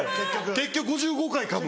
結局５５回かむ。